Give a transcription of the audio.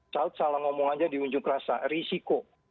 kalau salah ngomong aja diunjuk rasa risiko